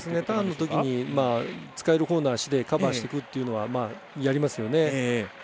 ターンのときに使えるほうの足でカバーしていくっていうのはやりますよね。